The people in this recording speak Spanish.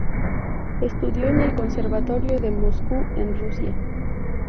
Estudió en el Conservatorio de Moscú en Rusia.